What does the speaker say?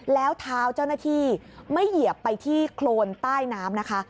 แล้วเท้าเจ้าหน้าที่ไม่เหยียบไปที่โครนใต้น้ำนะคะ